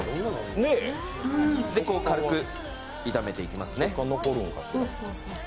軽く炒めていきますね。